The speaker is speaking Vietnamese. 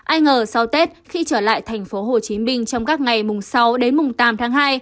ai ngờ sau tết khi trở lại tp hcm trong các ngày mùng sáu đến mùng tám tháng hai